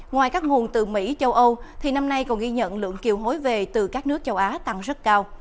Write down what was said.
ngoài các nguồn từ mỹ châu âu thì năm nay còn ghi nhận lượng kiều hối về từ các nước châu á tăng rất cao